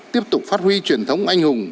tiếp tục phát huy truyền thống anh hùng